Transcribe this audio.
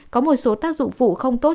có một số tác dụng phụ không tốt